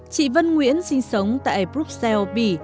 chị vân nguyễn sinh sống tại bruxelles bỉ